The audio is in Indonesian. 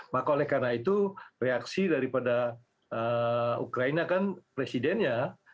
maka oleh karena itu reaksi daripada ukraina kan presidennya